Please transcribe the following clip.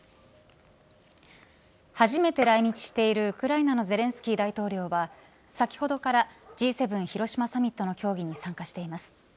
初めて来日しているウクライナのゼレンスキー大統領は先ほどからＧ７広島サミットの協議に参加しています。